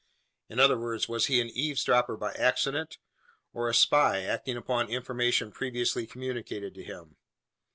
In other words, was he an eavesdropper by accident, or a spy acting upon information previously communicated to him?